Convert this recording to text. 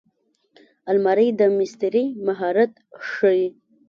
الماري د مستري مهارت ښيي